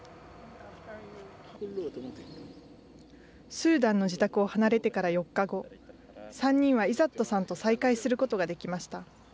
スーダンの自宅を離れてから４日後、３人はイザットさんと再会することができました。